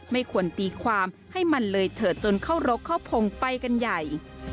ไม่ควรตีความให้มันเลยเถิดจนเข้ารกเข้าพงไปกันใหญ่